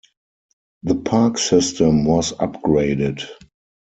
The park system was upgraded.